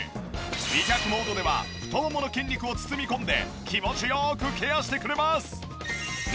美脚モードでは太ももの筋肉を包み込んで気持ち良くケアしてくれます。